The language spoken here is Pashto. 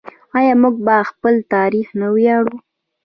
آیا موږ په خپل تاریخ نه ویاړو؟